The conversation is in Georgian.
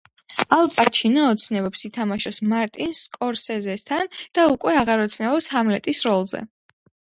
ალ პაჩინო ოცნებობს ითამაშოს მარტინ სკორსეზესთან და უკვე აღარ ოცნებობს ჰამლეტის როლზე.